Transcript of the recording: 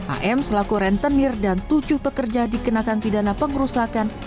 am selaku rentenir dan tujuh pekerja dikenakan pidana pengerusakan